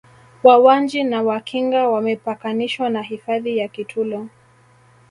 Wawanji na Wakinga wamepakanishwa na hifadhi ya Kitulo